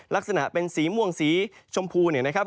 ลักษณะเป็นสีม่วงสีชมพูเนี่ยนะครับ